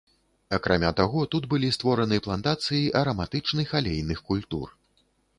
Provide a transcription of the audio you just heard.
Акрамя таго, тут былі створаны плантацыі араматычных алейных культур.